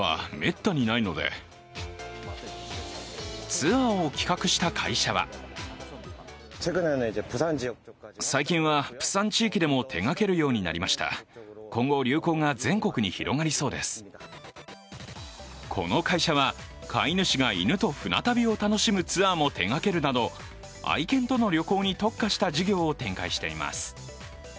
ツアーを企画した会社はこの会社は、飼い主が犬と船旅を楽しむツアーも手がけるなど愛犬との旅行に特化した事業を展開しています。